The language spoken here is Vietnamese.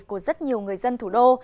của rất nhiều người dân thủ đô